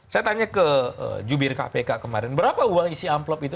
saya tanya ke jubir kpk kemarin berapa uang isi amplop itu